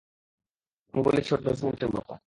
আমি বলেছি ওটা বেজমেন্টের মতো।